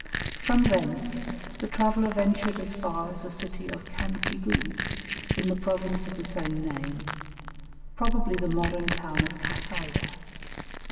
From thence, the traveller ventured as far as the city of Cancigu, in the province of the same name, probably the modern town of Kassaye.